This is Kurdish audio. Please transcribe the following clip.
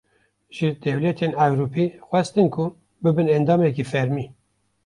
Ji dewletên Ewropî, xwestin ku bibin endamekî fermî